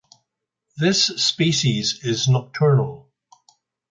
This species is nocturnal.